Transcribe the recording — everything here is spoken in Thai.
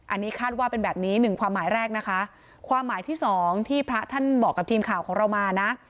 อันนี้คาดว่าเป็นแบบนี้หนึ่งความหมายแรกนะคะความหมายที่สองที่พระท่านบอกกับทีมข่าวของเรามานะ